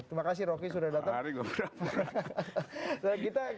terima kasih rocky sudah datang